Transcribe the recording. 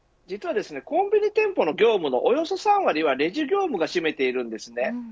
実はコンビニ店舗の業務のおよそ３割はレジ業務が占めています。